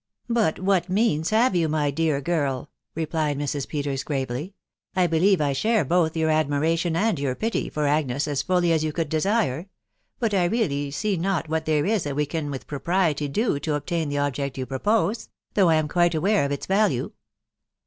" But what means have you, my dear girl ?" replied Mrs. Peters gravely. " I believe I share both your admiration and your pity for Ajgnes as fully as you could desire ; but I really see not what there is that we can with propriety do to obtain the object you propose .... though I am quite aware of its value."